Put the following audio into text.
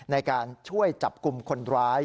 ในการช่วยจับกลุ่มคนร้าย